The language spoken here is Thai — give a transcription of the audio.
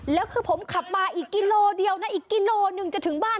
แล้วคือผมขับมาอีกกิโลเดียวนะอีกกิโลหนึ่งจะถึงบ้าน